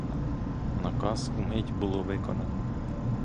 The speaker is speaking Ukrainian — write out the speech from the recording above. Наказ умить було виконано.